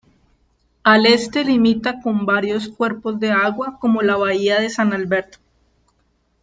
Al este limita con varios cuerpos de agua como la bahía de San Alberto.